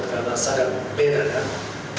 tapi kita harus menerima yang diadakan